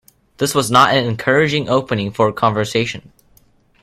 This was not an encouraging opening for a conversation.